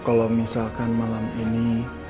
kalau misalkan malam ini